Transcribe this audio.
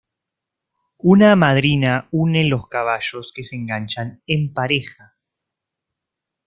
Una madrina une los caballos que se enganchan en pareja.